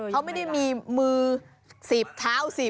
เขาไม่ได้มีมือ๑๐เท้าสิบ